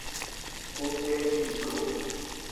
Uu jeʼe chiní tuʼu.